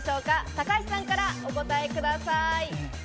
高橋さんからお答えください。